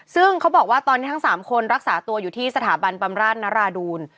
ซึ่งเขาบอกว่าตอนนี้ทั้ง๓คนรักษาตัวอยู่ที่สถาบันบำราชนราดูล